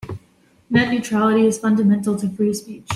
Net neutrality is fundamental to free speech.